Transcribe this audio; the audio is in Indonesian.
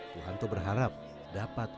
tuhanto berharap dapat